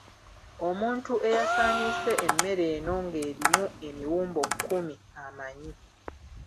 Omuntu eyasaaniise emmere eno nga erimu emiwumbo kkumi amanyi.